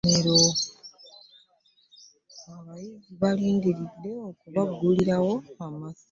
Abayizi balindiridde okubaggulilawo amasomero.